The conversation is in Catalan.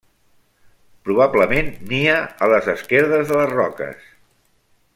Probablement nia a les esquerdes de les roques.